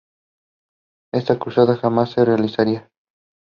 She worked under the supervision of Michael Marder in the Centre for Nonlinear Dynamics.